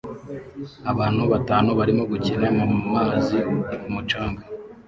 Abantu batanu barimo gukina mu mazi ku mucanga